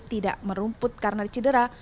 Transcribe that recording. tidak merumput karena cedera